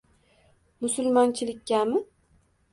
Musulmonchilikkami?